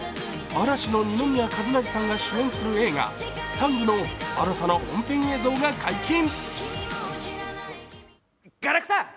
嵐の二宮和也さんが主演する映画「ＴＡＮＧタング」の新たな本編映像が解禁。